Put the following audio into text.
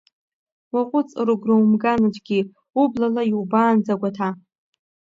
Уаҟәыҵ, рыгәра умган, аӡәгьы, ублала иубаанӡа агәаҭа!